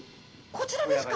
こちらですか？